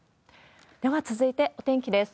では続いて、お天気です。